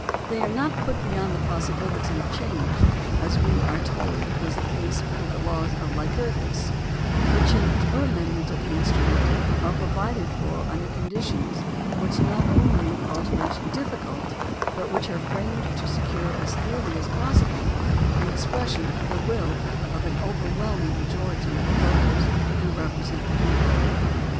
They are not put beyond the possibility of change, as we are told was the case with 92 COMPULSORY INITIATIVE AND REFERENDUM the laws of Lycurgus, but change or amendment of the instrument are provided for under conditions which not only make alteration difficult but which are framed to secure as nearly as possible the expression of the will of an overwhelming majority of the voters who represent the people.